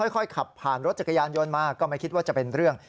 ค่อยขับผ่านรถจักรยานยนต์มาก็ไม่คิดว่าจะเป็นเรื่อง